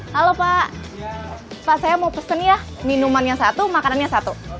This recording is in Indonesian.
halo pak saya mau pesen ya minuman yang satu makanannya satu